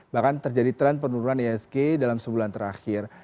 bahkan terjadi tren penurunan isg dalam sebulan terakhir